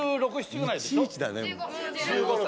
１５歳。